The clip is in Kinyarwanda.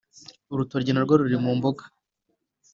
urutoryi na rwo ruri mu mboga.